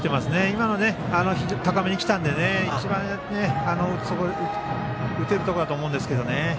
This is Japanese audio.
今の球は高めに来たので一番打てるところだと思うんですけどね。